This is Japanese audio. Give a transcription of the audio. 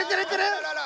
あららら！